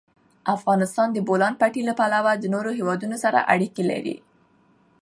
افغانستان د د بولان پټي له پلوه له نورو هېوادونو سره اړیکې لري.